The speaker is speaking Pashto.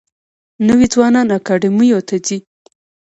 نوي ځوانان اکاډمیو ته ځي.